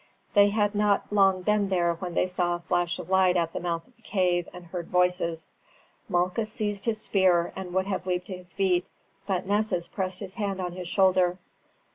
They had not long been there when they saw a flash of light at the mouth of the cave and heard voices. Malchus seized his spear and would have leaped to his feet, but Nessus pressed his hand on his shoulder.